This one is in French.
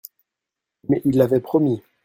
Mais il avait promis.